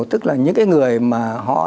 tức là những cái người mà họ